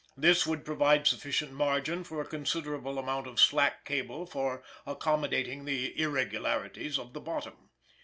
This would provide sufficient margin for a considerable amount of "slack" cable for accommodating the irregularities of the bottom.